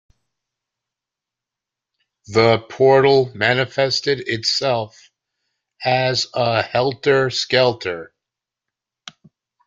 The portal manifested itself as a helter skelter.